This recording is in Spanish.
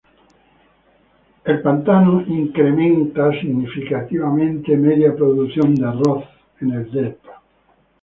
El pantano media producción de arroz significativamente incrementada en el delta.